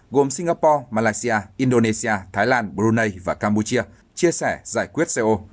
gồm singapore malaysia indonesia thái lan brunei và campuchia chia sẻ giải quyết co